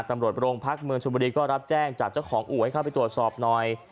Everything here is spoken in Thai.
ตำรวจโรงพักเมืองชนบุรีก็รับแจ้งจากเจ้าของอู่ให้เข้าไปตรวจสอบหน่อย